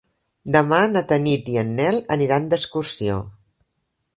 Demà na Tanit i en Nel aniran d'excursió.